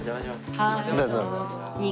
はい。